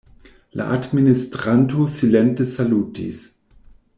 La administranto silente salutis.